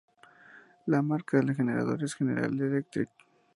La marca del generador es General Electric.